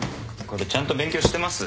これちゃんと勉強してます？